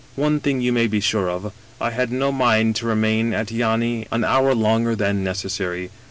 " One thing you may be sure of, I had no mind to remain at Yany an hour longer than necessary.